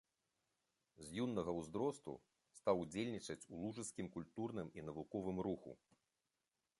З юнага ўзросту стаў удзельнічаць у лужыцкім культурным і навуковым руху.